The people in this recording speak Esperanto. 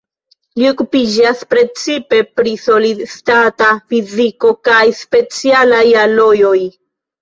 Li okupiĝas precipe pri solid-stata fiziko kaj specialaj alojoj.